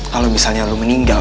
kalau misalnya lu meninggal